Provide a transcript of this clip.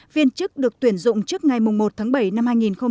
viên chức được tuyển dụng trước ngày một tháng bảy năm hai nghìn hai mươi